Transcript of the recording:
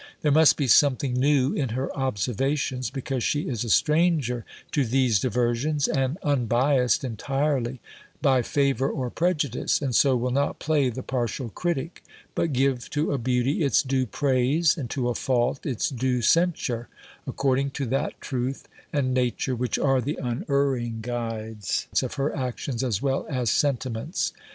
There must be something new in her observations, because she is a stranger to these diversions, and unbiassed entirely by favour or prejudice; and so will not play the partial critic, but give to a beauty its due praise, and to a fault its due censure, according to that truth and nature which are the unerring guides of her actions as well as sentiments.